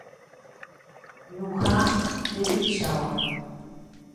Ñuhã ndetuicháva.